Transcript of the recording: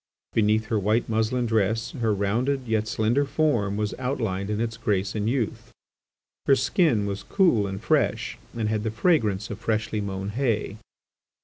Beneath her white muslin dress her rounded yet slender form was outlined in its grace and youth. Her skin was cool and fresh, and had the fragrance of freshly mown hay.